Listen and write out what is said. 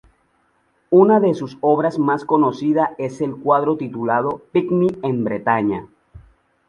Una de sus obras más conocidas es el cuadro titulado "Picnic en Bretaña".